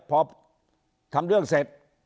พอทำเรื่องเสร็จ